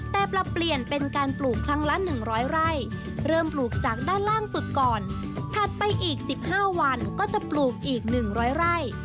แต่ปรับเปลี่ยนเป็นการปลูกครั้งละหนึ่งร้อยไร่เริ่มปลูกจากด้านล่างสุดก่อนถัดไปอีกสิบห้าวันก็จะปลูกอีก๑๐๐ไร่